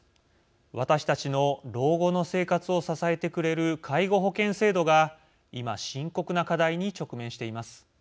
私たちの老後の生活を支えてくれる介護保険制度が今深刻な課題に直面しています。